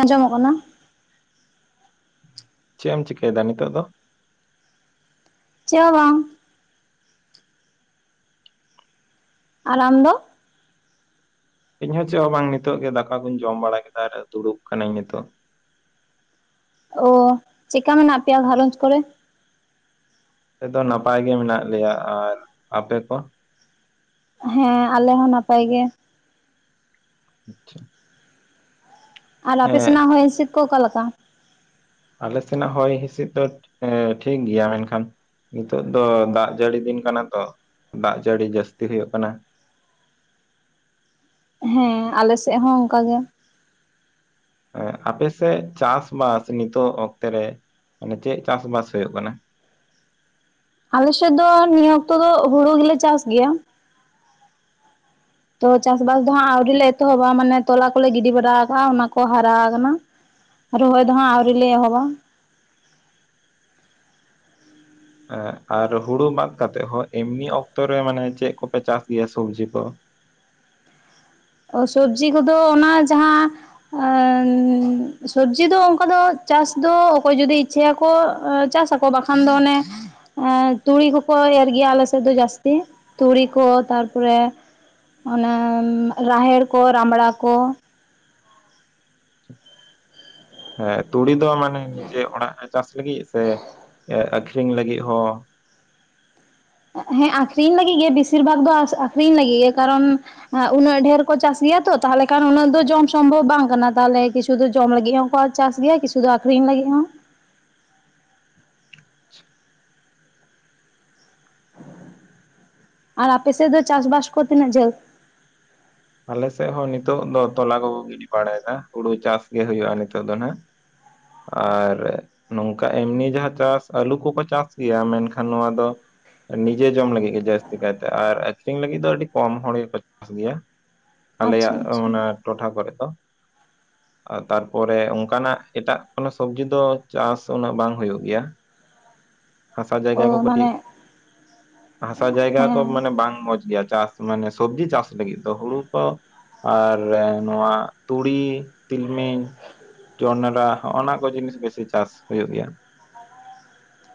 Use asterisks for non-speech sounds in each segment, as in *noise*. ᱟᱸᱡᱚᱢᱚᱜ ᱠᱟᱱᱟ? ᱪᱮᱜ-ᱮᱢ ᱪᱤᱠᱟᱹᱭᱮᱫᱟ ᱱᱤᱛᱚᱜ ᱫᱚ? ᱪᱮᱜ ᱦᱚᱸ ᱵᱟᱝ᱾ ᱟᱨ ᱟᱢ ᱫᱚ? ᱤᱧ ᱦᱚᱸ ᱪᱮᱫ ᱦᱚᱸ ᱵᱟᱝ ᱱᱤᱛᱚᱜ ᱜᱮ ᱫᱟᱠᱟ ᱠᱩᱧ ᱡᱚᱢ ᱵᱟᱲᱟ ᱠᱮᱫᱟ, ᱟᱨ ᱫᱩᱲᱩᱵ ᱠᱟᱱᱟᱹᱧ ᱱᱤᱛᱚᱜ᱾ ᱚ, ᱪᱮᱜᱠᱟ ᱢᱮᱱᱟᱜ ᱯᱮᱭᱟ ᱜᱷᱟᱨᱚᱸᱡᱽ ᱠᱚᱨᱮ? *inaudible* ᱫᱚ ᱱᱟᱯᱟᱭ ᱜᱮ ᱢᱮᱱᱟᱜ ᱞᱮᱭᱟ᱾ ᱟᱨ ᱟᱯᱮ ᱠᱚ? ᱦᱮᱸ ᱟᱞᱮ ᱦᱚᱸ ᱱᱟᱯᱟᱭ ᱜᱮ᱾ ᱟᱪᱪᱷᱟ᱾ ᱟᱨ ᱟᱯᱮ ᱦᱮᱸ ᱥᱮᱱᱟᱜ ᱦᱚᱭ ᱦᱤᱸᱥᱤᱫ ᱠᱚ ᱚᱠᱟᱮᱠᱟ? ᱟᱞᱮ ᱥᱮᱱᱟᱜ ᱦᱚᱭ ᱦᱤᱸᱥᱤᱫ ᱫᱚ ᱮᱸ ᱴᱷᱤᱠ ᱜᱮᱭᱟ, ᱢᱮᱱᱠᱷᱟᱱ ᱱᱤᱛᱚᱜ ᱫᱚ ᱫᱟᱜ ᱡᱟᱹᱲᱤ ᱫᱤᱱ ᱠᱟᱱᱟ ᱛᱚ, ᱫᱟᱜ ᱡᱟᱹᱲᱤ ᱡᱟᱹᱥᱛᱤ ᱦᱩᱭᱩᱜ ᱠᱟᱱᱟ᱾ ᱦᱮᱸ ᱟᱞᱮᱥᱮᱜ ᱦᱚᱸ ᱚᱝᱠᱟ ᱜᱮ᱾ ᱮᱸᱜ ᱟᱯᱮᱥᱮᱜ ᱪᱟᱥᱵᱥ ᱱᱤᱛᱚᱜ ᱚᱠᱛᱮ ᱨᱮ, ᱢᱟᱱᱮ ᱪᱮᱜ ᱪᱟᱥ-ᱵᱟᱥ ᱦᱩᱭᱩᱜ ᱠᱟᱱᱟ? ᱟᱞᱮᱥᱮᱫ ᱫᱚ ᱱᱤᱭᱟᱹ ᱚᱠᱛᱚ ᱫᱚ ᱦᱩᱲᱩ ᱜᱮᱞᱮ ᱪᱟᱥ ᱜᱮᱭᱟ᱾ ᱛᱚ ᱪᱟᱥᱵᱟᱥ ᱫᱚ ᱦᱟᱸᱜ ᱟᱹᱣᱨᱤ ᱞᱮ ᱮᱛᱚᱦᱚᱵᱟ ᱢᱟᱱᱮ ᱛᱚᱞᱟ ᱠᱚᱞᱮ ᱜᱤᱰᱤ ᱵᱟᱲᱟ ᱟᱠᱟᱫᱟ ᱚᱱᱟ ᱠᱚ ᱦᱟᱨᱟ ᱟᱠᱟᱱᱟ᱾ ᱨᱚᱦᱚᱭ ᱫᱚ ᱦᱟᱸᱜ ᱟᱹᱣᱨᱤ ᱞᱮ ᱮᱦᱚᱵᱟ᱾ ᱦᱮᱸ, ᱟᱨ ᱦᱩᱲᱩ ᱵᱟᱫ ᱠᱟᱛᱮᱜ ᱦᱚᱸ ᱮᱢᱱᱤ ᱚᱠᱛᱚᱨᱮ ᱢᱟᱱᱮ ᱪᱮᱫ ᱠᱚᱯᱮ ᱪᱟᱥ ᱜᱮᱭᱟ ᱥᱚᱵᱡᱤ ᱠᱚ? ᱚ ᱥᱚᱵᱡᱤ ᱠᱚᱫᱚ ᱚᱱᱟ ᱡᱟᱦᱟᱸ ᱮᱱᱻ ᱥᱚᱵᱡᱤ ᱫᱚ ᱚᱝᱠᱟ ᱫᱚ ᱪᱟᱥ ᱫᱚ ᱚᱠᱚᱭ ᱡᱩᱫᱤ ᱤᱪᱪᱷᱟᱹᱭᱟᱠᱚ ᱪᱟᱥᱟ ᱠᱚ᱾ ᱵᱟᱠᱷᱟᱱ ᱫᱚ ᱚᱱᱮ ᱛᱩᱲᱤ ᱠᱚᱠᱚ ᱮᱨ ᱜᱮᱭᱟ ᱟᱞᱮᱥᱮᱫ ᱫᱚ ᱡᱟᱹᱥᱛᱤ ᱛᱩᱲᱤ ᱠᱚ ᱛᱟᱨᱯᱚᱨᱮᱶ ᱚᱱᱟ ᱨᱟᱦᱮᱲ ᱠᱚ ᱨᱟᱢᱲᱟ ᱠᱚ ᱾ ᱦᱮᱸ ᱛᱩᱲᱤ ᱫᱚ ᱢᱟᱱᱮ ᱱᱤᱡᱮ ᱚᱲᱟᱜ ᱨᱮ ᱪᱟᱥ ᱞᱟᱹᱜᱤᱫ ᱥᱮ ᱟᱠᱷᱨᱤᱧ ᱞᱟᱹᱜᱤᱫ ᱦᱚᱸ? ᱦᱮᱸ ᱟᱠᱷᱨᱤᱧ ᱞᱟᱹᱜᱤᱜ ᱜᱮ ᱵᱤᱥᱤᱨ ᱵᱷᱟᱜ ᱫᱚ ᱟᱠᱷᱨᱤᱧ ᱞᱟᱹᱜᱤᱜ ᱜᱮ ᱠᱟᱨᱚᱱ ᱩᱱᱟᱹᱜ ᱰᱷᱮᱨ ᱠᱚ ᱪᱟᱥ ᱜᱮᱭᱟ ᱛᱚ ᱛᱟᱦᱚᱞᱮ ᱠᱷᱟᱱ ᱩᱱᱟᱹᱜ ᱫᱚ ᱡᱚᱢ ᱥᱚᱢᱵᱷᱚᱵ ᱵᱟᱝ ᱠᱟᱱᱟ ᱛᱟᱦᱚᱞᱮ ᱠᱤᱪᱷᱩ ᱫᱚ ᱡᱚᱢ ᱞᱟᱹᱜᱤᱫ ᱦᱚᱸᱠᱚ ᱪᱟᱥ ᱜᱮᱭᱟ ᱠᱤᱪᱷᱩ ᱫᱚ ᱟᱠᱷᱨᱤᱧ ᱞᱟᱹᱜᱤᱫ ᱦᱚᱸ ᱟᱨ ᱟᱯᱮᱥᱮᱫ ᱫᱚ ᱪᱟᱥ ᱵᱟᱟᱥ ᱠᱚ ᱛᱤᱱᱟᱹᱜ ᱡᱷᱟᱹᱞ? ᱟᱞᱮᱮᱥᱮᱫ ᱦᱚᱸ ᱱᱤᱛᱚᱜ ᱫᱚ ᱛᱚᱞᱟ ᱠᱚᱠᱚ ᱜᱤᱰᱤ ᱵᱟᱲᱟᱭᱮᱫᱟ ᱦᱩᱲᱩ ᱪᱟᱥ ᱜᱮ ᱦᱩᱭᱩᱜᱼᱟ ᱱᱤᱛᱚᱜ ᱫᱚ ᱱᱟᱦᱟᱜ ᱾ ᱟᱨ ᱱᱚᱝᱠᱟ ᱮᱢᱱᱤ ᱡᱟᱦᱟᱸ ᱪᱟᱥ ᱟᱹᱞᱩ ᱠᱚᱠᱚ ᱪᱟᱥ ᱜᱮᱭᱟ ᱢᱮᱱᱠᱷᱟᱱ ᱱᱚᱣᱟ ᱫᱚ ᱱᱤᱡᱮ ᱡᱚᱢ ᱞᱟᱹᱜᱤᱫ ᱜᱮ ᱡᱟᱹᱥᱛᱤ ᱠᱟᱭᱛᱮ ᱟᱨ ᱟᱠᱠᱷᱨᱤᱧ ᱞᱟᱹᱜᱤᱫ ᱫᱚ ᱟᱹᱰᱤ ᱠᱚᱢ ᱦᱚᱲ ᱜᱮᱠᱚ ᱪᱟᱥ ᱜᱮᱭᱟ ᱾ ᱟᱪᱪᱷᱟ ᱟᱞᱮᱭᱟᱜ ᱟᱪᱪᱷᱟ ᱚᱱᱟ ᱴᱚᱴᱷᱟ ᱠᱚᱨᱮᱜ ᱫᱚ ᱾ *unintelligible* ᱛᱟᱨᱯᱚᱨᱮ ᱚᱱᱠᱟᱱᱟᱜ ᱮᱴᱟᱜ ᱠᱳᱱᱳ ᱥᱚᱵᱡᱤ ᱫᱚ ᱪᱟᱥ ᱩᱱᱟᱹᱜ ᱵᱟᱝ ᱦᱩᱭᱩᱜ ᱜᱮᱭᱟ ᱾ *unintelligible* ᱦᱟᱥᱟ ᱡᱟᱭᱜᱟ ᱠᱚ ᱚ ᱠᱟᱹᱴᱤᱡ, ᱢᱟᱱᱮ ᱦᱟᱥᱟ ᱡᱟᱭᱜᱟ ᱠᱚ ᱦᱮᱸ ᱢᱟᱱᱮ ᱵᱟᱝ ᱢᱚᱸᱡᱽ ᱜᱮᱭᱟ ᱪᱟᱥ ᱾ ᱢᱟᱱᱮ ᱥᱚᱵᱡᱤ ᱪᱟᱥ ᱞᱟᱹᱜᱤᱫ ᱫᱚ ᱦᱩᱲᱩ ᱠᱚ ᱟᱨ ᱱᱚᱣᱟ ᱛᱩᱲᱤ ᱛᱤᱞᱢᱤᱧ ᱡᱚᱱᱰᱨᱟ ᱦᱚᱸᱼᱱᱚᱸᱣᱟᱠᱚ ᱡᱤᱱᱤᱥ ᱵᱮᱥᱤ ᱪᱟᱥ ᱦᱩᱭᱩᱜ ᱜᱮᱭᱟ ᱾ ᱟ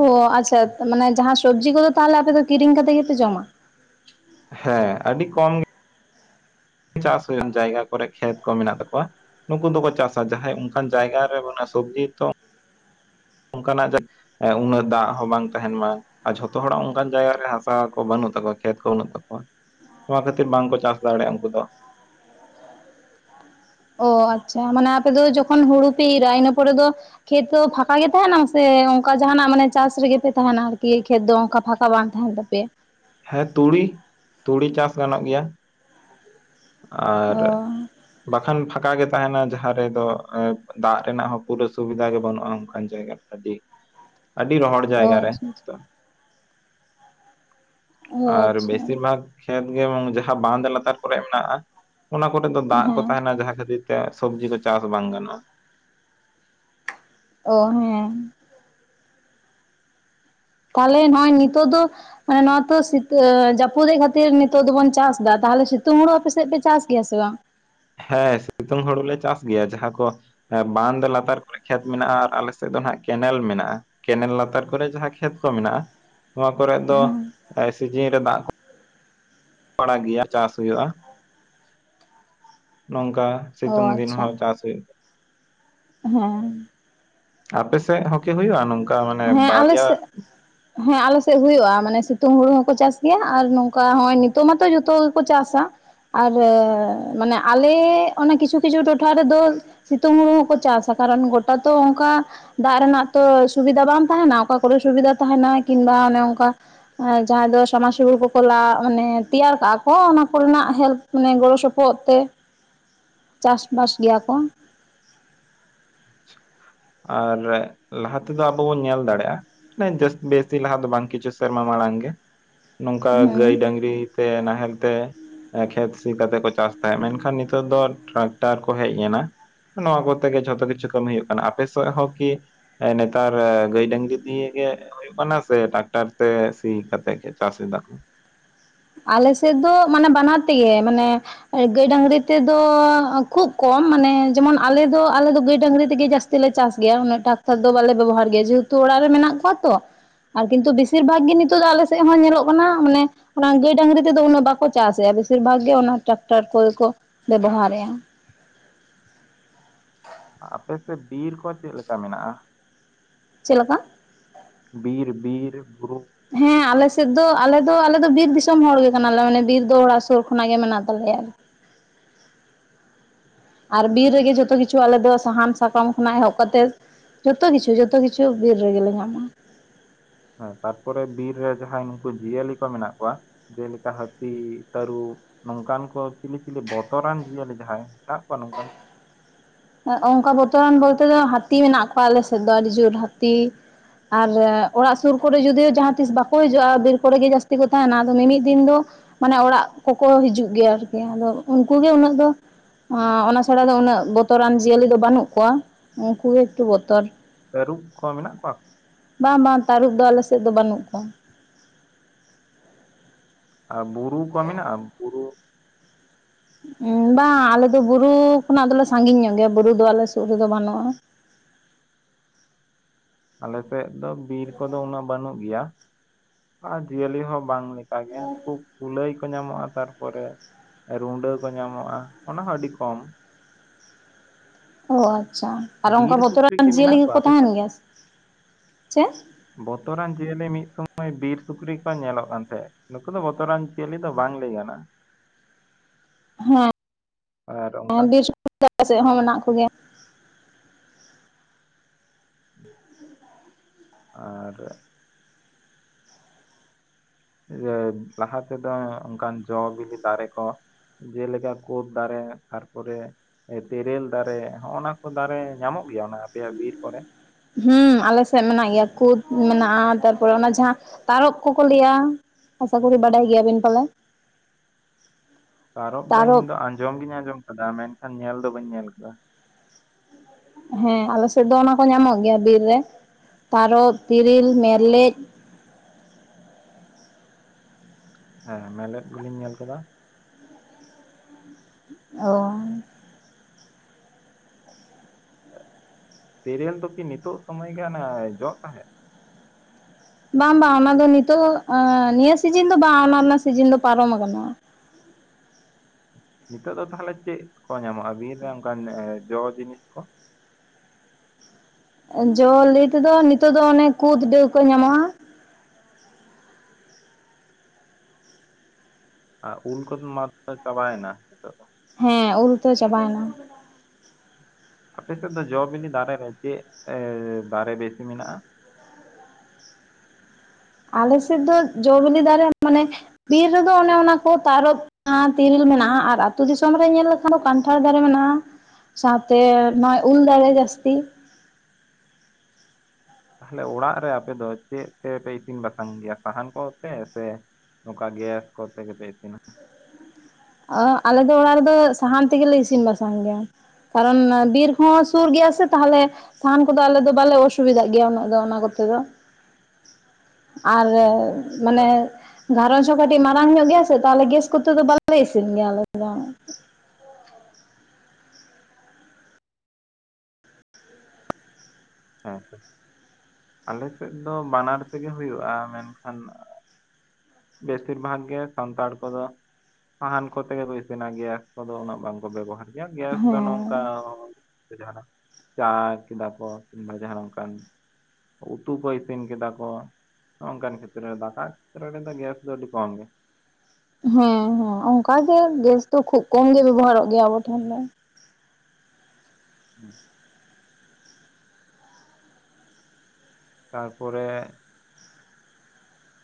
ᱚ ᱟᱪᱪᱷᱟ, ᱢᱟᱱᱮ ᱡᱟᱦᱟᱸ ᱥᱚᱵᱽᱡᱤ ᱠᱚᱫᱚ ᱛᱟᱦᱚᱞᱮ ᱟᱯᱮ ᱫᱚ ᱠᱤᱨᱤᱧ ᱠᱟᱛᱮ ᱜᱮᱯᱮ ᱡᱚᱢᱟ? ᱦᱮᱸ ᱟᱹᱰᱤ ᱠᱚᱢ ᱜᱮ ᱪᱟᱥ ᱦᱩᱭᱩᱜ ᱡᱟᱭᱜᱟ ᱠᱚᱨᱮ ᱠᱷᱮᱛ ᱠᱚ ᱢᱮᱱᱟᱜ ᱛᱟᱠᱚᱣᱟ, ᱱᱩᱠᱩ ᱫᱚᱠᱚ ᱪᱟᱥᱟ ᱡᱟᱦᱟᱸᱭ ᱚᱱᱠᱟᱱ ᱡᱟᱭᱜᱟ ᱨᱮ ᱢᱟᱱᱮ ᱥᱚᱵᱡᱤ ᱛᱚ-ᱼ ᱚᱱᱠᱟᱱᱟᱜ ᱡᱟ ᱞᱩᱱᱟᱹᱜ ᱫᱟᱜ ᱦᱚᱸ ᱵᱟᱝ ᱛᱟᱦᱮᱱ ᱢᱟ ᱾ ᱟᱨ ᱡᱷᱚᱛᱚ ᱦᱚᱲᱟᱜ ᱚᱱᱠᱟᱱ ᱡᱟᱭᱜᱟᱨᱮ ᱦᱟᱥᱟ ᱠᱚ ᱵᱟᱹᱱᱩᱜ ᱛᱟᱠᱚᱣᱟ, ᱠᱷᱮᱛ ᱠᱚ ᱵᱟᱹᱱᱩᱜ ᱛᱟᱠᱚᱣᱟ ᱾ ᱱᱚᱣᱟ ᱠᱷᱟᱹᱛᱤᱨ ᱵᱟᱝᱠᱚ ᱪᱟᱥ ᱫᱟᱲᱮᱭᱟᱜᱼᱟ ᱩᱱᱠᱩ ᱫᱚ ᱾ ᱚ ᱟᱪᱪᱷᱟ, ᱢᱟᱱᱮ ᱟᱯᱮ ᱫᱚ ᱡᱚᱠᱷᱚᱱ ᱦᱩᱲᱩ ᱯᱮ ᱤᱨᱟ ᱤᱱᱟᱹ ᱯᱚᱨᱮ ᱫᱚ ᱠᱷᱮᱛ ᱫᱚ ᱯᱷᱟᱸᱠᱟ ᱜᱮ ᱛᱟᱦᱮᱱᱟ ᱥᱮ ᱚᱱᱠᱟ ᱡᱟᱦᱟᱱᱟᱜ ᱢᱟᱱᱮ ᱪᱟᱥ ᱨᱮᱜᱮ ᱯᱮ ᱛᱟᱦᱮᱱᱟ ᱟᱨᱠᱤ ᱠᱷᱮᱛ ᱫᱚ ᱚᱱᱠᱟ ᱯᱷᱟ ᱠᱟ ᱵᱟᱝ ᱛᱟᱦᱮᱱ ᱛᱟᱯᱮᱭᱟ ᱾ ᱦᱮᱸ ᱛᱩᱲᱤ, ᱛᱩᱲᱤ ᱪᱟᱥ ᱜᱟᱱᱚᱜ ᱜᱮᱭᱟ ᱾ ᱟᱨ ᱚ ᱵᱟᱠᱷᱟᱱ ᱯᱷᱟᱠᱟ ᱜᱮ ᱛᱟᱦᱮᱱᱟ ᱡᱟᱦᱟᱸ ᱨᱮᱫᱚ ᱮ ᱫᱟᱜ ᱨᱮᱱᱟᱜ ᱦᱚᱸ ᱯᱩᱨᱟᱹ ᱥᱩᱵᱤᱫᱷᱟ ᱜᱮ ᱵᱟᱹᱱᱩᱜᱼᱟ ᱚᱱᱠᱟᱱ ᱡᱟᱭᱜᱟ ᱨᱮ ᱟᱹᱰᱤ ᱟᱹᱰᱤ ᱨᱚᱦᱚᱲ ᱚ ᱡᱟᱭᱜᱟ ᱨᱮ ᱟᱪᱪᱷᱟ ᱟᱪᱪᱷᱟ ᱛᱚ ᱚ ᱟᱨ ᱟᱪᱪᱷᱟ ᱵᱮᱥᱤᱨ ᱵᱷᱟᱜᱽ ᱠᱷᱮᱛ ᱜᱮ ᱡᱟᱦᱟᱸ ᱵᱟᱸᱫ ᱞᱟᱛᱟᱨ ᱠᱚᱨᱮ ᱢᱮᱱᱟᱜᱼᱟ, ᱚᱱᱟ ᱠᱚᱨᱮ ᱫᱚ ᱫᱟᱜ ᱠᱚ ᱦᱮᱸ ᱛᱟᱦᱮᱱᱟ ᱡᱟᱦᱟᱸ ᱠᱷᱟᱹᱛᱤᱨ ᱛᱮ ᱥᱚᱵᱡᱤ ᱠᱚ ᱪᱟᱥ ᱵᱟᱝ ᱜᱟᱱᱚᱜᱼᱟ ᱾ ᱚ ᱦᱮᱸ ᱛᱟᱦᱚᱞᱮ ᱱᱚᱜᱼᱚᱭ ᱱᱤᱛᱚᱜ ᱫᱚ ᱢᱟᱱᱮ ᱱᱚᱣᱟ ᱛᱚ ᱥᱤᱛᱟᱹ ᱡᱟᱹᱯᱩᱫᱮᱜ ᱠᱷᱟᱹᱛᱤᱨ ᱱᱤᱛᱚᱜ ᱫᱚᱵᱚᱱ ᱪᱟᱥ ᱮᱫᱟ ᱛᱟᱦᱚᱞᱮ ᱥᱤᱛᱩᱝ ᱦᱩᱲᱩ ᱟᱯᱮ ᱥᱮᱫ ᱯᱮ ᱪᱟᱥ ᱜᱮᱭᱟ ᱥᱮ ᱵᱟᱝ? ᱦᱮᱸ ᱥᱤᱛᱩᱝ ᱦᱩᱲᱩ ᱞᱮ ᱪᱟᱥ ᱜᱮᱭᱟ ᱡᱟᱦᱟᱸ ᱠᱚ ᱵᱟᱸᱫ ᱞᱟᱛᱟᱨ ᱠᱚᱨᱮᱜ ᱠᱷᱮᱛ ᱢᱮᱱᱟᱜᱼᱟ ᱟᱨ ᱟᱞᱮ ᱥᱮᱫ ᱫᱚ ᱱᱟᱦᱟᱜ ᱠᱮᱱᱮᱞ ᱢᱮᱱᱟᱜᱼᱟ ᱾ ᱠᱮᱱᱮᱞ ᱞᱟᱛᱟᱨ ᱠᱚᱨᱮ ᱡᱟᱦᱟᱸ ᱠᱷᱮᱛ ᱠᱚ ᱢᱮᱱᱟᱜᱼᱟ, ᱱᱚᱣᱟ ᱠᱚᱨᱮ ᱫᱚ ᱦᱮᱸ ᱥᱤᱡᱤᱱ ᱨᱮ ᱫᱟᱜ ᱠᱚ ᱟᱲᱟᱜ ᱜᱮᱭᱟ ᱪᱟᱥ ᱦᱩᱭᱩᱜᱼᱟ ᱾ ᱱᱚᱝᱠᱟ ᱚ ᱥᱤᱛᱩᱝ ᱫᱤᱱ ᱟᱪᱪᱷᱟ ᱦᱚᱸ ᱪᱟᱥ ᱦᱩᱭᱩᱜ ᱦᱮᱸ ᱟᱯᱮ ᱥᱮᱜ ᱦᱚᱸᱠᱤ ᱦᱩᱭᱩᱜᱼᱟ ᱱᱚᱝᱠᱟ? ᱢᱟᱱᱮ ᱦᱮᱸ ᱟᱞᱮ ᱵᱟᱨᱭᱟ ᱥᱮᱫ ᱦᱮᱸ ᱟᱞᱮ ᱥᱮᱫ ᱦᱳᱭᱳᱜᱼᱟ ᱢᱟᱱᱮ ᱥᱤᱛᱩᱝ ᱦᱳᱲᱳ ᱦᱚᱸᱠᱚ ᱪᱟᱥ ᱜᱮᱭᱟ ᱟᱨ ᱱᱚᱝᱠᱟ ᱱᱚᱜᱚᱭ ᱱᱤᱛᱚᱜ ᱢᱟ ᱛᱚ ᱡᱚᱛᱚ ᱜᱮᱠᱚ ᱪᱟᱥᱼᱟ ᱾ ᱟᱨ ᱢᱟᱱᱮ ᱟᱞᱮ ᱚᱱᱮ ᱠᱤᱪᱷᱩ ᱠᱤᱪᱷᱩ ᱴᱚᱴᱷᱟ ᱨᱮᱫᱚ ᱥᱤᱛᱩᱝ ᱦᱩᱲᱩ ᱦᱚᱸᱠᱚ ᱪᱟᱥᱼᱟ, ᱠᱟᱨᱚᱱ ᱜᱚᱴᱟ ᱛᱚ ᱚᱱᱠᱟ ᱫᱟᱜ ᱨᱮᱱᱟᱜ ᱛᱚ ᱥᱩᱵᱤᱫᱷᱟ ᱵᱟᱝ ᱛᱟᱦᱮᱱᱟ ᱚᱠᱟ ᱠᱚ ᱨᱮ ᱥᱩᱵᱤᱫᱷᱟ ᱛᱟᱦᱮᱱᱟ ᱠᱤᱢᱵᱟ ᱚᱱᱮ ᱚᱝᱠᱟ ᱦᱮᱸ, ᱡᱟᱸᱦᱟᱭ ᱫᱚ *unintelligible* ᱢᱟᱱᱮ ᱛᱮᱭᱟᱨ ᱠᱟᱜᱼᱟ ᱠᱚ ᱚᱱᱟ ᱠᱚ ᱨᱮᱱᱟᱜ ᱦᱮᱞᱯ ᱢᱟᱱᱮ ᱜᱚᱲᱚ ᱥᱚᱯᱚ ᱦᱚᱫ ᱛᱮ ᱪᱟᱥ ᱵᱟᱥ ᱜᱮᱭᱟ ᱠᱚ᱾ ᱟᱨ ᱞᱟᱦᱟ ᱛᱮᱫᱚ ᱟᱵᱚ ᱵᱚᱱ ᱧᱮᱞ ᱫᱟᱲᱮᱜᱼᱟ᱾ ᱵᱮᱥ, ᱵᱮᱥᱤ ᱞᱟᱦᱟ ᱫᱚ ᱵᱟᱝ ᱠᱤᱪᱷᱩ ᱥᱮᱨᱢᱟ ᱢᱟᱲᱟᱝ ᱜᱮ ᱱᱚᱝᱠᱟ ᱦᱮᱸ ᱜᱟᱹᱭ ᱰᱟᱹᱝᱨᱤ ᱛᱮ ᱱᱟᱦᱮᱞ ᱛᱮ ᱠᱷᱮᱛ ᱥᱤ ᱠᱟᱛᱮ ᱠᱚ ᱪᱟᱥ ᱛᱟᱦᱮᱸᱜ ᱢᱮᱱ ᱠᱷᱟᱱ ᱱᱤᱛᱚᱜ ᱫᱚ ᱴᱨᱟᱠᱴᱟᱨ ᱠᱚ ᱦᱮᱡ ᱮᱱᱟ ᱱᱚᱣᱟ ᱠᱚᱛᱮ ᱜᱮ ᱡᱷᱚᱛᱚ ᱠᱤᱪᱷᱩ ᱠᱟᱹᱢᱤ ᱦᱩᱭᱩᱜ ᱠᱟᱱᱟ ᱟᱯᱮ ᱥᱮᱜ ᱦᱚᱸ ᱠᱤ ᱱᱮᱛᱟᱨ ᱜᱟᱹᱭ ᱰᱟᱹᱝᱨᱤ ᱫᱤᱭᱮ ᱜᱮ ᱦᱩᱭᱩᱜ ᱠᱟᱱᱟ ᱥᱮ ᱴᱨᱟᱠᱴᱟᱨ ᱛᱮ ᱥᱤ ᱠᱟᱛᱮ ᱜᱮ ᱪᱟᱥ ᱮᱫᱟ ᱠᱚ? ᱟᱞ ᱥᱮᱫ ᱫᱚ ᱢᱟᱱᱮ ᱵᱟᱱᱟᱨ ᱛᱮᱜᱮ ᱢᱟᱱᱮ ᱜᱟᱹᱭ ᱰᱟᱹᱝᱨᱤ ᱛᱮᱫᱚ ᱠᱷᱩᱵ ᱠᱚᱢ ᱢᱟᱱᱮ ᱡᱮᱢᱚᱱ ᱟᱞᱮ ᱫᱚ ᱟᱞᱮ ᱫᱚ ᱜᱟᱹᱭ ᱰᱟᱹᱝᱨᱤ ᱛᱮᱜᱮ ᱡᱟᱹᱥᱛᱤ ᱞᱮ ᱪᱟᱥ ᱜᱮᱭᱟ, ᱩᱱᱟᱹᱜ ᱴᱟ ᱴᱟᱨ ᱫᱚ ᱵᱟᱞᱮ ᱵᱮᱵᱚᱦᱟᱨ ᱜᱮᱭᱟ, ᱡᱮᱦᱮᱛᱩ ᱚᱲᱟᱜ ᱨᱮ ᱢᱮᱱᱟᱜ ᱠᱚᱣᱟ ᱛᱚ᱾ ᱟᱨ ᱠᱤᱱᱛᱩ ᱵᱮᱥᱤᱨ ᱵᱷᱟᱜ ᱜᱮ ᱱᱤᱛ ᱫᱚ ᱟᱞᱮ ᱥᱮᱫ ᱦᱚᱸ ᱧᱮᱞᱚᱜ ᱠᱟᱱᱟ ᱢᱟᱱᱮ ᱚᱱᱟ ᱜᱟᱹᱭ ᱰᱟᱹᱝᱨᱤ ᱛᱮᱫᱚ ᱩᱱᱟᱹᱜ ᱵᱟᱠᱚ ᱪᱟᱥᱮᱜᱼᱟ ᱵᱮᱥᱤᱨ ᱵᱷᱟᱜᱽ ᱜᱮ ᱚᱱᱟ ᱴᱨᱟᱠᱴᱟᱨ ᱠᱚ ᱜᱮ ᱠᱚ ᱵᱮ ᱵᱚᱦᱟᱨᱮᱜᱼᱟ᱾ *inaudible* ᱟᱯᱮ ᱥᱮᱫ ᱵᱤᱨ ᱠᱚ ᱪᱮᱫ ᱞᱮᱠᱟ ᱢᱮᱱᱟᱜᱼᱟ? ᱪᱮᱫ ᱞᱮᱠᱟ? ᱵᱤᱨ ᱵᱤᱨ, ᱵᱩᱨᱩ᱾ ᱦᱮᱸ ᱟᱞᱮ ᱥᱮᱫ ᱫᱚ ᱟᱞᱮ ᱫᱚ ᱟᱞᱮ ᱫᱚ ᱵᱤᱨ ᱫᱤᱥᱚᱢ ᱦᱚᱲ ᱜᱮ ᱠᱟᱱᱟ ᱞᱮ ᱢᱟᱱᱮ ᱵᱤᱨ ᱫᱚ ᱚᱲᱟᱜ ᱥᱳᱨ ᱠᱷᱚᱱᱟᱜ ᱜᱮ ᱢᱮᱱᱟᱜ ᱛᱟᱞᱮᱭᱟ᱾ ᱟᱨ ᱵᱤᱨ ᱨᱮᱜᱮ ᱡᱷᱚᱛᱚ ᱠᱤᱪᱷᱩ ᱟᱞᱮ ᱫᱚ ᱥᱟᱦᱟᱱ ᱥᱟᱠᱟᱢ ᱠᱷᱚᱱᱟᱜ ᱮᱦᱚᱵ ᱠᱟᱛᱮᱫ ᱡᱚᱛᱚ ᱠᱤᱪᱷᱩ ᱡᱚᱛᱚ ᱠᱤᱪᱷᱩ ᱵᱤᱨ ᱨᱮ ᱜᱮ ᱞᱮ ᱧᱟᱢᱟ᱾ ᱦᱮᱸ ᱛᱟᱨᱯᱚᱨᱮ ᱵᱤᱨ ᱨᱮ ᱡᱟᱸᱦᱟᱭ ᱱᱩᱠᱩ ᱡᱤᱭᱟᱹᱞᱤ ᱠᱚ ᱢᱮᱱᱟᱜ ᱠᱚᱣᱟ ᱡᱮᱞᱮᱠᱟ ᱦᱟᱹᱛᱤ ᱛᱟᱹᱨᱩᱵ ᱱᱚᱝᱠᱟᱱ ᱠᱚ ᱪᱤᱞᱤ ᱪᱤᱞᱤ ᱵᱚᱛᱚᱨᱟᱱ ᱡᱤᱭᱟᱹᱞᱤ ᱡᱟᱦᱟᱸᱭ *unintelligible* ᱚᱱᱠᱟ ᱵᱚᱨᱛᱚᱨᱟᱱ ᱵᱚᱞᱛᱮ ᱫᱚ ᱦᱟᱹᱛᱤ ᱢᱮᱱᱟᱜ ᱠᱚᱣᱟ ᱟᱞᱮ ᱥᱮᱫ ᱫᱚ ᱟᱹᱰᱤ ᱡᱳᱨ ᱦᱟᱹᱛᱤ᱾ ᱟᱨ ᱚᱲᱟᱜ ᱥᱩᱨ ᱠᱚ ᱨᱮ ᱡᱩᱫᱤᱭᱳ ᱡᱟᱸᱦᱟ ᱛᱤᱥ ᱵᱟᱠᱚ ᱦᱤᱡᱩᱜᱼᱟ ᱵᱤᱨ ᱠᱚᱨᱮ ᱜᱮ ᱡᱟᱹᱥᱛᱤ ᱠᱚ ᱛᱟᱦᱮᱱᱟ ᱟᱫᱚ ᱢᱤ-ᱢᱤᱫ ᱫᱤᱱ ᱫᱚ ᱢᱟᱱᱮ ᱚᱲᱟᱜ ᱠᱚᱠᱚ ᱦᱤᱡᱩᱜ ᱜᱮᱭᱟ ᱟᱨᱠᱤ ᱟᱫᱚ ᱩᱱᱠᱩ ᱜᱮ ᱩᱱᱟᱹᱜ ᱫᱚ ᱟᱸᱜ, ᱚᱱᱟ ᱪᱷᱟᱲᱟ ᱫᱚ ᱩᱱᱟᱹᱜ ᱵᱚᱛᱚᱨᱟᱱ ᱡᱤᱭᱟᱹᱞᱤ ᱫᱚ ᱵᱟᱹᱱᱩᱜ ᱠᱚᱣᱟ ᱩᱱᱠᱩ ᱜᱮ ᱮᱠᱴᱩ ᱵᱚᱛᱚᱨ᱾ ᱛᱟᱹᱨᱩᱵ ᱠᱚ ᱢᱮᱱᱟᱜ ᱠᱚᱣᱟ? ᱵᱟᱝ ᱵᱟᱝ ᱛᱟᱹᱨᱩᱵ ᱫᱚ ᱟᱞᱮ ᱥᱮᱫ ᱫᱚ ᱵᱟᱹᱱᱩᱜ ᱠᱚᱣᱟ᱾ ᱟᱨ ᱵᱩᱨᱩ ᱠᱚ ᱢᱮᱱᱟᱜᱼᱟ, ᱵᱩᱨᱩ? ᱩᱸᱻ, ᱵᱟᱝ ᱟᱞᱮ ᱫᱚ ᱵᱩᱨᱩ ᱠᱷᱚᱱᱟᱜ ᱫᱚᱞᱮ ᱥᱟᱹᱜᱤᱧ ᱧᱚᱜ ᱜᱮᱭᱟ ᱵᱩᱨᱩ ᱫᱚ ᱟᱞᱮ ᱥᱩᱨ ᱨᱮᱫᱚ ᱵᱟᱹᱱᱩᱜᱼᱟ᱾ ᱟᱞᱮ ᱥᱮᱫ ᱫᱚ ᱵᱤᱨ ᱠᱚᱫᱚ ᱩᱱᱟᱹᱜ ᱵᱟᱹᱱᱩᱜ ᱜᱮᱭᱟ ᱟᱨ ᱡᱤᱭᱟᱹᱞᱤ ᱦᱚᱸ ᱵᱟᱝ ᱞᱮ ᱠᱟᱛᱮ ᱟᱨᱠᱤ᱾ ᱠᱩᱞᱟᱹᱭ ᱠᱚ ᱧᱟᱢᱚᱜᱼᱟ ᱛᱟᱨᱯᱚᱨᱮ ᱨᱩᱰᱟᱹ ᱠᱚ ᱧᱟᱢᱚᱜᱼᱟ ᱚᱱᱟ ᱦᱚᱸ ᱟᱹᱰᱤ ᱠᱚᱢ᱾ ᱚ, ᱟᱪᱪᱷᱟ ᱟᱨ ᱚᱱᱠᱟ ᱵᱤᱨ ᱵᱚᱛᱚᱨ ᱥᱩᱠᱨᱤ ᱟᱱ ᱠᱤ ᱡᱤᱭᱟᱹᱞᱤ ᱢᱮᱱᱟᱜ ᱠᱚᱣᱟ ᱠᱚ ᱟᱯᱮ ᱛᱟᱦᱮᱱ ᱥᱮᱫ ᱜᱮᱭᱟ? ᱪᱮᱫ? ᱵᱚᱛᱚᱨᱟᱱ ᱡᱤᱭᱟᱹᱞᱤ ᱢᱤᱫ ᱥᱚᱢᱚᱭ ᱵᱤᱨ ᱥᱩᱠᱨᱤ ᱠᱚ ᱧᱮᱞᱚᱜ ᱠᱟᱱ ᱛᱟᱦᱮᱸᱫ᱾ ᱱᱩᱠᱩ ᱫᱚ ᱵᱚᱛᱚᱨᱟᱱ ᱡᱤᱭᱟᱹᱞᱤ ᱫᱚ ᱵᱟᱝ ᱞᱟᱹᱭ ᱜᱟᱱᱚᱜᱼᱟ᱾ ᱟᱨ ᱚᱱᱠᱟ ᱦᱮᱸ ᱵᱤᱨ ᱥᱩᱠᱨᱤ ᱫᱚ ᱟᱞᱮ ᱥᱮᱫ ᱦᱚᱸ ᱢᱮᱱᱟᱜ ᱠᱚ ᱜᱮᱭᱟ᱾ ᱦᱩᱸ᱾ ᱟᱨ ᱤᱭᱟᱹ ᱞᱟᱦᱟ ᱛᱮᱫᱚ ᱚᱝᱠᱟᱱ ᱡᱚ ᱵᱤᱞᱤ ᱫᱟᱨᱮ ᱠᱚ ᱡᱮᱞᱮᱠᱟ ᱠᱳᱫ ᱫᱟᱨᱮ ᱛᱟᱨᱯᱚᱨᱮ ᱛᱮᱹᱨᱮᱹᱞ ᱫᱟᱨᱮ ᱦᱚᱸᱜ-ᱚ ᱱᱚᱣᱟ ᱠᱚ ᱫᱟᱨᱮ ᱧᱟᱢᱚᱜ ᱜᱮᱭᱟ ᱚᱱᱟ ᱟᱯᱮᱭᱟᱜ ᱵᱤᱨ ᱠᱚᱨᱮ? ᱦᱩᱸ, ᱟᱞᱮ ᱥᱮᱫ ᱢᱮᱱᱟᱜ ᱜᱮᱭᱟ ᱠᱩᱫ ᱢᱮᱱᱟᱜᱼᱟ, ᱛᱟᱨᱯᱚᱨᱮ ᱚᱱᱟ ᱡᱟᱦᱟᱸ ᱛᱟᱨᱚᱵ ᱠᱚᱠᱚ ᱞᱟᱹᱭᱟ᱾ ᱟᱥᱟ ᱠᱚᱨᱤ ᱵᱟᱰᱟᱭ ᱜᱮᱭᱟᱵᱤᱱ ᱯᱟᱞᱮ? ᱛᱟᱨᱚᱵ ᱫᱚ ᱤᱧ ᱫᱚ ᱟᱸᱡᱚᱢ ᱜᱤᱧ ᱟᱸᱡᱚᱢ ᱟᱠᱟᱫᱟ ᱢᱮᱱᱠᱷᱟᱱ ᱧᱮᱞ ᱫᱚ ᱵᱟᱹᱧ ᱧᱮᱞ ᱟᱠᱟᱫᱟ᱾ ᱦᱮᱸ ᱟᱞᱮᱥᱮᱫ ᱫᱚ ᱚᱱᱟ ᱠᱚ ᱧᱟᱢᱚᱜ ᱜᱮᱭᱟ ᱵᱤᱨ ᱨᱮ ᱛᱟᱨᱚᱵ ᱛᱮᱹᱨᱤᱞ ᱢᱮᱨᱞᱮᱡ᱾ ᱦᱮᱸ, ᱢᱮᱞᱮᱫ ᱜᱮᱞᱤᱧ ᱧᱮᱞ ᱠᱟᱫᱟ᱾ ᱚ ᱛᱮᱹᱨᱮᱹᱞ ᱫᱚ ᱠᱤ ᱱᱤᱛᱚᱜ ᱥᱚᱢᱚᱭ ᱜᱮ ᱚᱱᱮ ᱡᱚᱜ ᱛᱟᱦᱮᱸᱫ? ᱵᱟᱝ ᱵᱟᱝ ᱚᱱᱟ ᱫᱚ ᱱᱤᱛᱚᱜ ᱮ ᱱᱤᱭᱟᱹ ᱥᱤᱡᱤᱱ ᱫᱚ ᱵᱟᱝ ᱚᱱᱟ ᱨᱮᱱᱟᱜ ᱥᱤᱡᱤᱱ ᱫᱚ ᱯᱟᱨᱚᱢ ᱟᱠᱟᱱᱟ ᱾ ᱱᱤᱛᱚᱜ ᱫᱚ ᱛᱟᱦᱚᱞᱮ ᱪᱮᱫ ᱠᱚ ᱧᱟᱢᱚᱜᱼᱟ ᱵᱤᱨ ᱨᱮ ᱚᱱᱠᱟᱱ ᱡᱚ ᱡᱤᱱᱤᱥ ᱠᱚ? ᱡᱚ ᱞᱟᱹᱭ ᱛᱮᱫᱚ ᱱᱤᱛᱚᱜ ᱫᱚ ᱚᱱᱮ ᱠᱳᱛ ᱰᱟᱹᱣ ᱠᱚ ᱧᱟᱢᱚᱜᱼᱟ ᱟᱨ ᱩᱞ ᱠᱚᱫᱚ ᱢᱟᱛᱚ ᱪᱟᱵᱟᱭᱱᱟ ᱱᱤᱛᱳᱜ ᱫᱚ ᱦᱮᱸ ᱩᱞ ᱛᱚ ᱪᱟᱵᱟᱭᱮᱱᱟ ᱟᱯᱮ ᱥᱮᱫ ᱫᱚ ᱡᱚ ᱵᱤᱞᱤ ᱫᱟᱨᱮ ᱨᱮ ᱪᱮᱫ ᱮ ᱫᱟᱨᱮ ᱵᱮᱥᱤ ᱢᱮᱱᱟᱜᱼᱟ? ᱟᱞᱮ ᱥᱮᱫ ᱫᱚ ᱡᱚ ᱵᱤᱞᱤ ᱫᱟᱨᱮ ᱢᱟᱱᱮ ᱵᱤᱨ ᱨᱮᱫᱚ ᱚᱱᱮ ᱚᱱᱟ ᱠᱚ ᱛᱟᱨᱚᱵ ᱟᱸ ᱛᱤᱨᱤᱞ ᱢᱮᱱᱟᱜᱼᱟ ᱟᱨ ᱟᱹᱛᱩ ᱫᱤᱥᱚᱢ ᱨᱮ ᱧᱮᱞ ᱞᱮᱠᱷᱟᱱ ᱫᱚ ᱠᱟᱱᱴᱷᱟᱲ ᱫᱟᱨᱮ ᱢᱮᱱᱟᱜᱼᱟ ᱥᱟᱶᱛᱮ ᱱᱚᱜᱚᱭ ᱩᱞ ᱫᱟᱨᱮ ᱡᱟᱹᱥᱛᱤ ᱛᱟᱦᱚᱞᱮ ᱚᱲᱟᱜ ᱨᱮ ᱟᱯᱮ ᱫᱚ ᱪᱮᱫ ᱛᱮᱯᱮ ᱤᱥᱤᱱ ᱵᱟᱥᱟᱝ ᱜᱮᱭᱟ ᱥᱟᱦᱟᱱ ᱠᱚᱛᱮ ᱥᱮ? ᱱᱚᱝᱠᱟ ᱜᱮᱥ ᱠᱚᱛᱮᱜᱮ ᱯᱮ ᱤᱥᱤᱱᱟ? ᱚᱸ ᱟᱞᱮ ᱫᱚ ᱚᱲᱟᱜ ᱨᱮᱫᱚ ᱥᱟᱦᱟᱱ ᱛᱮᱜᱮᱞᱮ ᱤᱥᱤᱱ ᱵᱟᱥᱟᱝ ᱜᱮᱭᱟ ᱾ ᱠᱟᱨᱚᱱ ᱵᱤᱨ ᱦᱚᱸ ᱥᱩᱨ ᱜᱮᱭᱟ ᱥᱮ ᱛᱟᱦᱚᱞᱮ ᱥᱟᱦᱟᱱ ᱠᱚᱫᱚ ᱟᱞᱮ ᱫᱚ ᱵᱟᱞᱮ ᱚᱥᱩᱵᱤᱫᱟᱜ ᱜᱮᱭᱟ ᱩᱱᱟᱹᱜ ᱫᱚ ᱚᱱᱟ ᱠᱚᱛᱮ ᱫᱚ ᱾ ᱟᱨ ᱦᱮᱸ ᱢᱟᱱᱮ ᱟᱨ- ᱜᱸᱷᱟᱨᱚᱧᱡᱽ ᱦᱚᱸ ᱠᱟᱹᱴᱤᱡ ᱢᱟᱨᱟᱝ ᱧᱚᱜ ᱜᱮᱭᱟ ᱛᱟᱦᱚᱞᱮ ᱜᱮᱥ ᱠᱚᱛᱮ ᱫᱚ ᱵᱟᱞᱮ ᱤᱥᱤᱱ ᱜᱮᱭᱟᱞᱮ ᱟᱞᱮ ᱫᱚ ᱦᱮᱸ ᱛᱮ ᱟᱞᱮ ᱥᱮᱫ ᱫᱚ ᱵᱟᱱᱟᱨ ᱛᱮᱜᱮ ᱦᱩᱭᱩᱜᱼᱟ ᱢᱮᱱᱠᱷᱟᱱ ᱵᱮᱥᱤᱨ ᱵᱷᱟᱜᱽ ᱜᱮ ᱥᱟᱱᱛᱟᱲ ᱠᱚᱫᱚ ᱥᱟᱦᱟᱱ ᱠᱚᱛᱮᱜᱮ ᱠᱚ ᱤᱥᱤᱱᱟ ᱜᱮᱭᱟ ᱜᱮᱥ ᱠᱚᱫᱚ ᱩᱱᱟᱹᱜ ᱵᱟᱝ ᱠᱚ ᱵᱮᱵᱚᱦᱟᱨ ᱜᱮᱥ ᱫᱚ ᱦᱮᱸ ᱱᱚᱝᱠᱟ ᱡᱟᱦᱟᱱᱟᱜ ᱪᱟ ᱠᱮᱫᱟ ᱠᱚ ᱠᱤᱝᱵᱟ ᱡᱟᱦᱟᱸᱱ ᱚᱱᱠᱟᱱ ᱩᱛᱩ ᱠᱚ ᱤᱥᱤᱱ ᱠᱮᱫᱟ ᱠᱚ ᱚᱝᱠᱟᱱ ᱠᱷᱮᱛᱨᱮ ᱫᱟᱠᱟ ᱠᱷᱮᱛᱨᱮ ᱨᱮ ᱜᱮᱥ ᱫᱚ ᱚᱰᱤ ᱠᱚᱢ ᱜᱮ ᱦᱮᱸ ᱦᱮᱸ ᱚᱱᱠᱟᱜᱮ ᱜᱮᱥ ᱫᱚ ᱠᱷᱩᱵ ᱠᱚᱢ ᱜᱮ ᱵᱮᱵᱚᱦᱟᱨᱚᱜ ᱜᱮᱭᱟ ᱟᱵᱚ ᱴᱷᱮᱱ ᱫᱚ *unintelligible* ᱛᱟᱨᱯᱚᱨᱮᱻ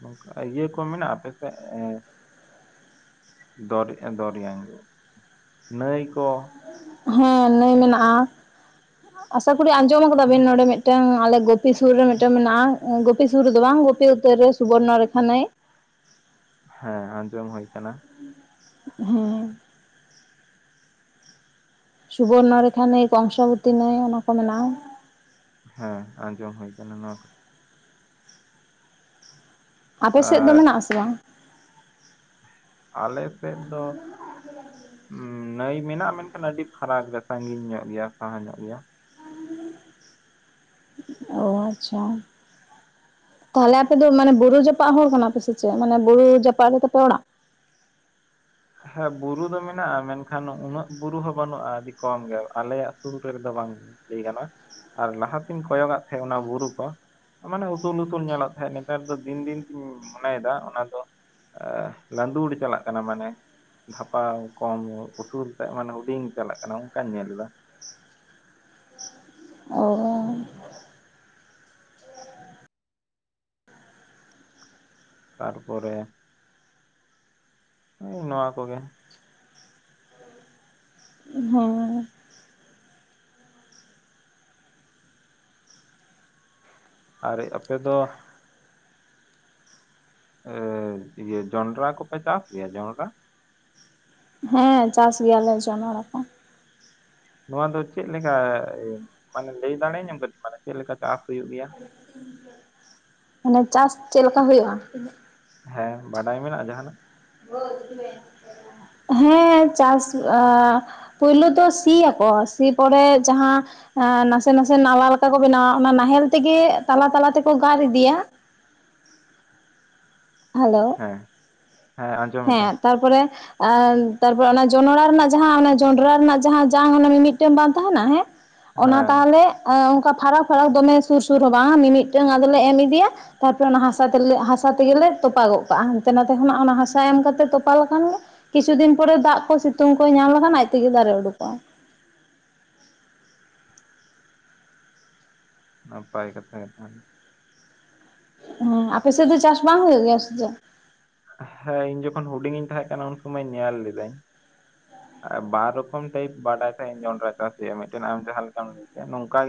ᱱᱚᱠᱟ ᱤᱭᱟᱹ ᱠᱚ ᱢᱮᱱᱟ ᱟᱯᱮ ᱥᱮᱫ ᱮᱸ ᱫᱚᱨᱭᱟ ᱫᱚᱨᱭᱟ ᱱᱟᱹᱭ ᱠᱚ ᱦᱮᱸ ᱱᱟᱹᱭ ᱢᱮᱱᱟᱜᱼᱟ ᱟᱥᱟ ᱠᱚᱤ ᱟᱸᱡᱚᱢ ᱟᱠᱟᱫᱟ ᱵᱤᱱ ᱱᱚᱰᱮ ᱢᱤᱫᱴᱟᱝ ᱟᱞᱮ ᱜᱩᱯᱤ ᱥᱩᱨ ᱨᱮ ᱢᱤᱫᱴᱟᱝ ᱢᱮᱱᱟᱜᱼᱟ ᱜᱩᱯᱤ ᱥᱩᱨ ᱨᱮᱫᱚ ᱵᱟᱝ ᱜᱩᱯᱤ ᱩᱛᱟᱹᱨ ᱨᱮ ᱾ ᱥᱩᱵᱚᱨᱱᱚ ᱨᱮᱠᱷᱟ ᱱᱟᱹᱭ ᱦᱮᱸ ᱟᱸᱡᱚᱢ ᱦᱩᱭ ᱠᱟᱱᱟ ᱦᱮᱸ ᱥᱩᱵᱚᱨᱱᱚ ᱨᱮᱠᱷᱟ ᱱᱟᱹᱭ ᱠᱚᱝᱥᱟᱵᱚᱛᱤ ᱱᱟᱹᱭ ᱚᱱᱟ ᱠᱚ ᱢᱮᱱᱟᱜᱼᱟ ᱦᱮᱸ ᱟᱸᱡᱚᱢ ᱦᱩᱭ ᱟᱠᱟᱱᱟ ᱱᱚᱣᱟ ᱫᱚ ᱟᱯᱮ ᱥᱮᱫ ᱫᱚ ᱟᱨ ᱢᱮᱱᱟᱜ ᱼᱟ ᱥᱮ ᱵᱟᱝ? ᱟᱞᱮ ᱥᱮᱫ ᱫᱚ ᱦᱩᱸ ᱱᱟᱹᱭ ᱢᱮᱱᱟᱜᱼᱟ ᱢᱮᱱᱠᱷᱟᱱ ᱟᱹᱰᱤ ᱯᱷᱟᱨᱟᱠ ᱨᱮ ᱥᱟᱺ ᱜᱤᱧ ᱧᱚᱜ ᱜᱮᱭᱟ ᱥᱟᱦᱟ ᱧᱚᱜ ᱜᱮᱭᱟ ᱳ ᱟᱪᱪᱷᱟ ᱛᱟᱦᱚᱞᱮ ᱟᱯᱮ ᱫᱚ ᱢᱟᱱᱮ ᱵᱩᱨᱩ ᱡᱟᱯᱟᱜ ᱦᱚᱲ ᱠᱟᱱᱟ ᱯᱮ ᱥᱮ ᱪᱮᱫ ᱢᱟᱱᱮ ᱵᱩᱨᱩ ᱡᱟᱯᱟᱜ ᱨᱮ ᱛᱟᱯᱮ ᱚᱲᱟᱜ? ᱦᱮᱸ ᱵᱩᱨᱩ ᱫᱚ ᱢᱮᱱᱟᱜᱼᱟ ᱢᱮᱱᱠᱷᱟᱱ ᱩᱱᱟᱹᱜ ᱵᱩᱨᱩ ᱦᱚᱸ ᱵᱟᱹᱱᱩᱜᱼᱟ ᱟᱹᱰᱤ ᱠᱚᱢ ᱜᱮ ᱟᱞᱮᱭᱟᱜ ᱥᱩᱨ ᱨᱮᱫᱚ ᱵᱟᱝ ᱞᱟᱹᱭ ᱜᱟᱱᱚᱜᱼᱟ ᱟᱨ ᱞᱟᱦᱟᱛᱤᱧ ᱠᱚᱭᱚᱜᱟᱜ ᱛᱟᱦᱮᱸᱜ ᱚᱱᱟ ᱵᱩᱨᱩ ᱠᱚ ᱢᱟᱱᱮ ᱩᱥᱩᱞ ᱩᱥᱩᱞ ᱧᱮᱞᱚᱜ ᱛᱟᱦᱮᱸᱫ ᱱᱮᱛᱟᱨ ᱫᱚ ᱫᱤᱱ ᱫᱤᱱ ᱛᱤᱧ ᱢᱚᱱᱮᱭᱮᱫᱟ ᱚᱱᱟ ᱫᱚ ᱻᱻ ᱚ ᱞᱟᱸᱫᱩᱲ ᱪᱟᱞᱟᱜ ᱠᱟᱱᱟ ᱢᱟᱱᱮ ᱫᱷᱟᱯᱟᱣ ᱠᱚᱢ ᱩᱥᱩᱞᱛᱮ ᱢᱟᱱᱮ ᱦᱩᱰᱤᱧ ᱪᱟᱞᱟᱜ ᱠᱟᱱᱟ ᱚᱱᱠᱟᱹᱧ ᱧᱮᱞ ᱮᱫᱟ *inaudible* ᱛᱟᱨᱯᱚᱨᱮ ᱱᱚᱣᱟ ᱠᱚᱜᱮ ᱦᱮᱸ ᱟᱨᱮ ᱟᱯᱮ ᱫᱚ ᱤᱭᱟᱹ ᱡᱚᱱᱰᱨᱟ ᱠᱚᱯᱮ ᱪᱟᱥ ᱜᱮᱭᱟ ᱡᱚᱱᱰᱨᱟ᱾ ᱦᱮᱸ ᱪᱟᱥ ᱜᱮᱭᱟᱞᱮ ᱡᱚᱱᱚᱲᱟ ᱠᱚ᱾ ᱱᱚᱣᱟ ᱫᱚ ᱪᱮᱫ ᱞᱮᱠᱟ ᱢᱟᱱᱮ ᱞᱟᱹᱭ ᱫᱟᱲᱮ ᱤᱧᱟᱢ ᱢᱮᱱᱮ ᱪᱮᱫᱞᱮᱠᱟ ᱪᱟᱥ ᱦᱩᱭᱩᱜ ᱜᱮᱭᱟ? ᱢᱟᱱᱮ ᱪᱟᱥ ᱪᱮᱫ ᱞᱮᱠᱟ ᱦᱩᱭᱩᱜᱼᱟ ᱦᱮᱸ ᱵᱟᱰᱟᱭ ᱢᱮᱱᱟᱜᱼᱟ ᱡᱟᱦᱟᱸᱱᱟᱜ ᱦᱮᱸ ᱪᱟᱥ ᱦᱩᱭᱩᱜ-ᱟ ᱯᱳᱭᱞᱩ ᱫᱚ ᱥᱤᱭᱟᱠᱚ ᱥᱤ ᱯᱚᱨᱮ ᱡᱟᱦᱟᱸ ᱱᱟᱥᱮ ᱱᱟᱥᱮ ᱱᱟᱞᱟ ᱞᱮᱠᱟ ᱠᱚ ᱵᱮᱱᱟᱣᱟ ᱚᱱᱟ ᱱᱟᱦᱮᱞ ᱛᱮᱜᱮ ᱛᱟᱞᱟ ᱛᱟᱞᱟ ᱛᱮᱠᱚ ᱜᱟᱨ ᱤᱫᱤᱭᱟ᱾ ᱦᱮᱞᱳ ᱦᱮᱸ ᱦᱮᱸ ᱟᱸᱡᱚᱢᱮᱫᱟᱹᱧ ᱦᱮᱸ ᱛᱟᱨᱯᱚᱨᱮ ᱮ ᱛᱟᱨᱯᱚᱨᱮ ᱚᱱᱟ ᱡᱚᱱᱰᱲᱟ ᱨᱮᱱᱟᱜ ᱡᱚᱱᱰᱨᱟ ᱨᱮᱱᱟᱜ ᱡᱟᱝ ᱚᱱᱮ ᱢᱤᱢᱤᱫᱴᱟᱝ ᱵᱟᱝ ᱛᱟᱦᱮᱱᱟ ᱦᱮᱸ ᱚᱱᱟ ᱦᱮᱸ ᱛᱟᱦᱚᱞᱮ ᱚᱱᱠᱟ ᱯᱷᱟᱨᱟᱠ ᱯᱷᱟᱨᱟᱠ ᱫᱚᱢᱮ, ᱥᱩᱨ ᱥᱩᱨ ᱦᱚᱸ ᱵᱟᱝ ᱢᱤᱢᱤᱫᱴᱟᱝ ᱟᱫᱚᱞᱮ ᱮᱢ ᱤᱫᱤᱭᱟ ᱛᱟᱨᱯᱚᱨᱮ ᱚᱱᱟ ᱦᱟᱸᱥᱟ ᱛᱮᱞᱮ ᱦᱟᱸᱥᱟ ᱛᱮᱜᱮᱞᱮ ᱛᱚᱯᱟᱜᱚᱜ ᱠᱟᱜᱼᱟ ᱦᱟᱱᱛᱮ ᱱᱟᱛᱮ ᱠᱷᱚᱱᱟᱜ ᱚᱱᱟ ᱦᱟᱥᱟ ᱮᱢ ᱠᱟᱛᱮ ᱛᱚᱯᱟ ᱞᱮᱠᱷᱟᱱ ᱜᱮ ᱠᱤᱪᱷᱩ ᱫᱤᱱ ᱯᱚᱨᱮ ᱫᱟᱜ ᱠᱚ ᱥᱤᱛᱩᱝ ᱠᱚᱭ ᱧᱟᱢ ᱞᱮᱠᱷᱟᱱ ᱟᱡ ᱛᱮᱜᱮ ᱫᱟᱨᱮ ᱩᱰᱩᱠᱚᱜᱼᱟ᱾ ᱱᱟᱯᱟᱭ ᱠᱟᱛᱷᱟ *inaudible* ᱦᱮᱸ ᱟᱯᱮ ᱥᱮᱫ ᱫᱚ ᱪᱟᱥ ᱵᱟᱝ ᱦᱩᱭᱩᱜ ᱜᱮᱭᱟ ᱥᱮ ᱪᱮᱫ᱾ ᱦᱮᱸ ᱤᱧ ᱡᱚᱠᱷᱚᱱ ᱦᱩᱰᱤᱧᱤᱧ ᱛᱟᱦᱮᱸ ᱠᱟᱱᱟ ᱩᱱ ᱥᱩᱢᱟᱹᱭ ᱧᱮᱞ ᱞᱮᱫᱟᱹᱧ ᱵᱟᱨ ᱨᱚᱠᱚᱢ ᱴᱟᱭᱤᱯ ᱵᱟᱰᱟᱭ ᱛᱟᱦᱮ ᱤᱧ ᱡᱚᱸᱰᱨᱟ ᱪᱟᱥ ᱦᱩᱭᱩᱜ-ᱟ ᱟᱨ ᱢᱤᱫᱴᱟᱝ ᱟᱢ ᱡᱟᱦᱟᱸ ᱞᱮᱠᱟᱢ ᱞᱟᱹᱭ ᱠᱮᱭᱟ ᱱᱚᱝᱠᱟ